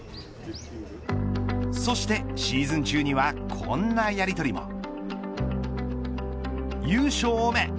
そしてシーズン中にはこんなやりとりも。